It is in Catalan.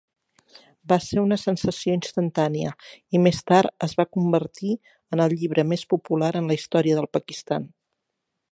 Va ser una "sensació instantània" i més tard es va convertir en el "llibre més popular en la història del Pakistan".